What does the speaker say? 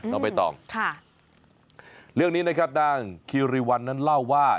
ใบตองค่ะเรื่องนี้นะครับนางคิริวันนั้นเล่าว่า